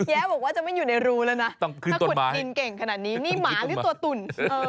บอกว่าจะไม่อยู่ในรูแล้วนะถ้าขุดดินเก่งขนาดนี้นี่หมาหรือตัวตุ่น